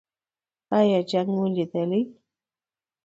ایا جنګ مو لیدلی؟